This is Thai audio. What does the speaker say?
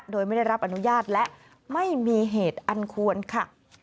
โดยไม่ได้รับอนุญาตและไม่มีเหตุอันควรค่ะ